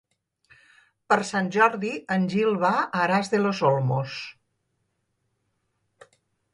Per Sant Jordi en Gil va a Aras de los Olmos.